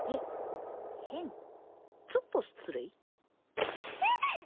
ちょっと失礼えっ！？